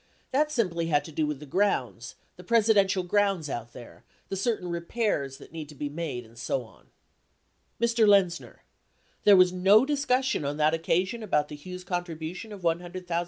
That simply had to do with the grounds, the Presidential grounds out there, the certain repairs that need to be made and so on. Mr. Lenzner. There was no discussion on that occasion about the Hughes contribution of $100,000 % Mr. Rebozo. No. 55 Id. at p. 2.